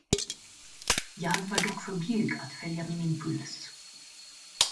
Jag var dock för blyg att följa min impuls.